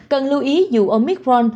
cần lưu ý dù omicron có thể ứng dụng